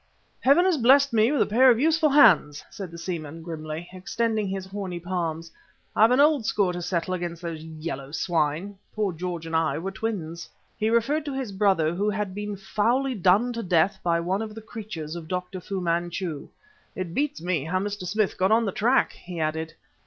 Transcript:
"Heaven has blessed me with a pair of useful hands!" said the seaman, grimly, extending his horny palms. "I've an old score against those yellow swine; poor George and I were twins." He referred to his brother who had been foully done to death by one of the creatures of Dr. Fu Manchu. "It beats me how Mr. Smith got on the track!" he added.